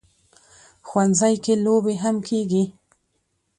ښوونځی کې لوبې هم کېږي